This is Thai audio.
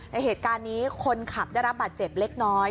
เหตุการณ์นี้คนขับได้รับบาดเจ็บเล็กน้อย